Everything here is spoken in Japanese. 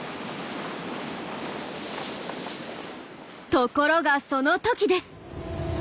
ところがその時です。